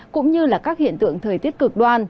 cũng như các hiện tượng thời tiết cực đoan